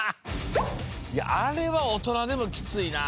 いやあれはおとなでもきついな。